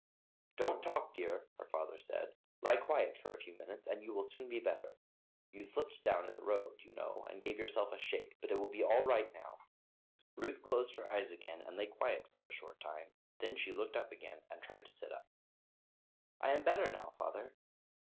"Don't talk, dear," her father said, "lie quiet for a few minutes and you will soon be better; you slipped down in the road, you know, and gave yourself a shake, but it will be all right now." Ruth closed her eyes again and lay quiet for a short time, then she looked up again and tried to sit up. "I am better now, father."